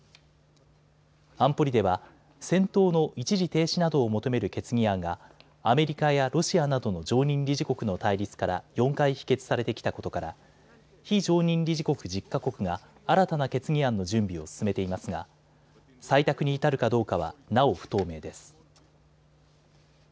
安保理では戦闘の一時停止などを求める決議案がアメリカやロシアなどの常任理事国の対立から４回否決されてきたことから非常任理事国１０か国が新たな決議案の準備を進めていますが採択に至るかどうかはなお不透明です。